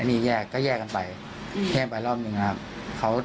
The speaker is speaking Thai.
มีแยกก็แยกกันไปแยกไปรอบหนึ่งนะครับ